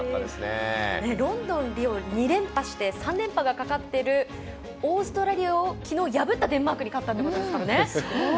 ロンドン、リオを２連覇して３連覇がかかっているオーストラリアをきのう破ったデンマークに勝ったということですからね。